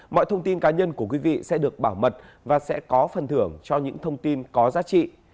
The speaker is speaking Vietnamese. mọi thông tin cá nhân của quý vị sẽ được bảo mật và sẽ có phần thưởng cho những thông tin có giá trị